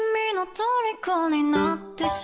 มาะ